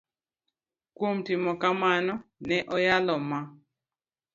Kuom timo kamano, ne onyalo ma